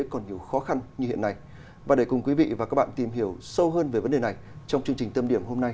quý vị và các bạn tìm hiểu sâu hơn về vấn đề này trong chương trình tâm điểm hôm nay